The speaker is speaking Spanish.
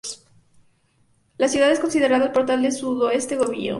La ciudad es considerada el "Portal del Sudoeste Goiano".